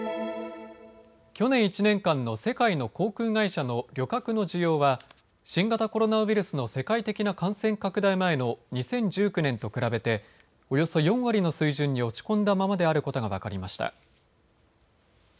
去年１年間の世界の航空会社の旅客の需要は新型コロナウイルスの世界的な感染拡大前の２０１９年と比べておよそ４割の水準に落ち込んだままであることが分かりました。